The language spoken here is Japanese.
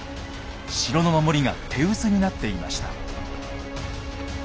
城の守りが手薄になっていました。